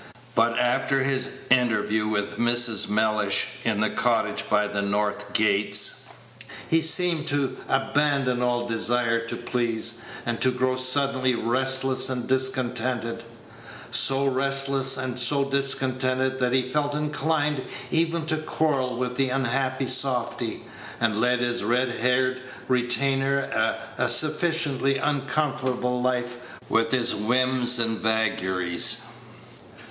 But after his interview with Mrs. Mellish in the cottage by the north gates, he seemed to abandon all desire to please, and to grow suddenly restless and Page 104 discontented so restless and so discontented that he felt inclined even to quarrel with the unhappy softy, and led his red haired retainer a sufficiently uncomfortable life with his whims and vagaries.